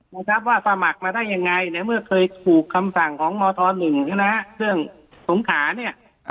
คุณวว่าสมัครมาได้ยังไงเดี๋ยวเมื่อเคยถูกคำศักดิ์ของมต๑อ่ะนะครับเสียงสงขาเนี่ย